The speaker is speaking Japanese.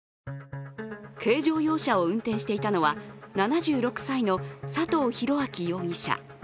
軽乗用車を運転していたのは７６歳の佐藤廣明容疑者。